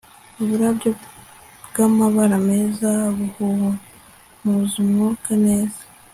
uburabyo bgamabara meza buhumuzumwuka neza